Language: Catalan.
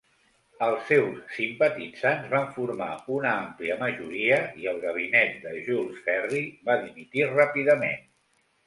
Els seus simpatitzants van formar una àmplia majoria i el gabinet de Jules Ferry va dimitir ràpidament.